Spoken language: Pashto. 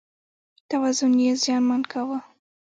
توازن یې زیانمن کاوه.